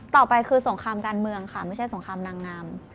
ต่อไปคือสงครามการเมืองค่ะไม่ใช่สงครามนางงาม